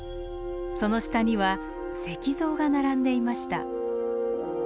その下には石像が並んでいました。